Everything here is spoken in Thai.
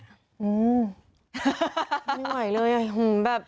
ไม่ไหวเลยแบบ